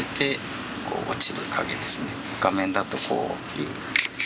画面だとこういう。